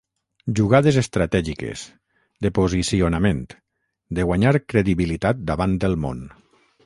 Jugades estratègiques, de posicionament, de guanyar credibilitat davant el món.